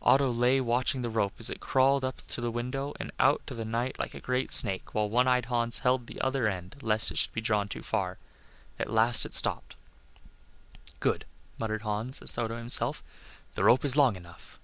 Otto lay watching the rope as it crawled up to the window and out into the night like a great snake, while One eyed Hans held the other end lest it should be drawn too far. At last it stopped. "Good," muttered Hans, as though to himself. "The rope is long enough."